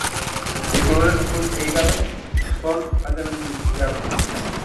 Los colores azul e hígado son altamente indeseables.